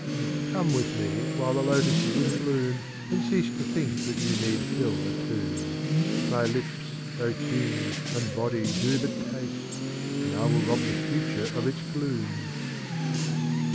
XII. Come with S\c while the Lotus J5 in bloom And cease to think that You need fill a Tomb. My Lips, King, and Bady do hut Taste, And I will rob the Future of Its Gloom. xm.